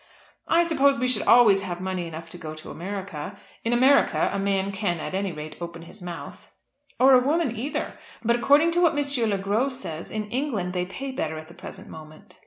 "I suppose we should always have money enough to go to America. In America a man can at any rate open his mouth." "Or a woman either. But according to what M. Le Gros says, in England they pay better at the present moment.